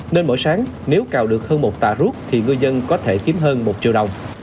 nên mỗi sáng nếu cào được hơn một tạ rút thì ngư dân có thể kiếm hơn một triệu đồng